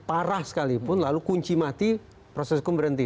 parah sekalipun lalu kunci mati proses hukum berhenti